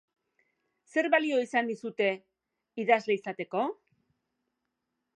Zer balio izan dizute idazle izateko?